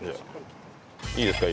いいですか？